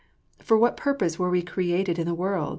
For what purpose were we created in the world?"